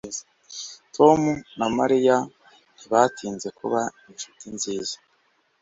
Tom na Mariya ntibatinze kuba inshuti nziza